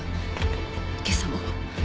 今朝も。